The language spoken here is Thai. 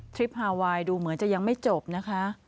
คลิปฮาไวน์ดูเหมือนจะยังไม่จบนะคะ